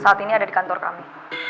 saat ini ada di kantor kami